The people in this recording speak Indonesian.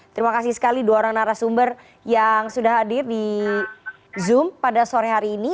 terima kasih sekali dua orang narasumber yang sudah hadir di zoom pada sore hari ini